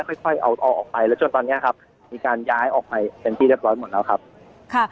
ค่อยค่อยเอาเอาออกไปแล้วจนตอนนี้ครับมีการย้ายออกไปเป็นที่เรียบร้อยหมดแล้วครับค่ะ